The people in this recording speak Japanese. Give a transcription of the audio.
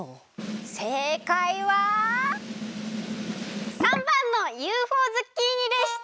せいかいは③ばんのＵＦＯズッキーニでした！